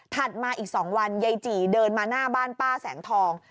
มาอีก๒วันยายจีเดินมาหน้าบ้านป้าแสงทอง